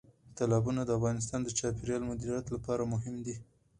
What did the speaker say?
تالابونه د افغانستان د چاپیریال مدیریت لپاره مهم دي.